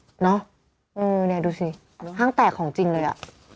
นี่ดูสิห้างแตกของจริงเลยอ่ะ